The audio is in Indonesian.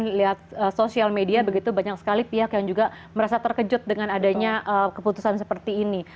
kita lihat sosial media begitu banyak sekali pihak yang juga merasa terkejut dengan adanya keputusan seperti ini